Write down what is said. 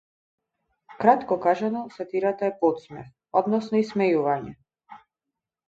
Кратко кажано, сатирата е потсмев, односно исмејување.